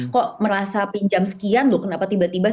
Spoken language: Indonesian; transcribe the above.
kok merasa pinjam sekian loh kenapa tiba tiba